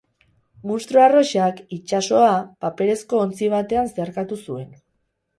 Munstro arrosak itsasoa paperezko ontzi batean zeharkatu zuen.